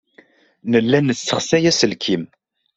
Nella nessexsay aselkim.